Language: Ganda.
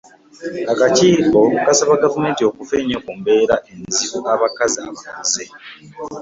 Akakiiko kasaba Gavumenti okufa ennyo ku mbeera enzibu abakazi abakuze.